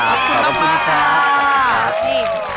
ขอบคุณมาก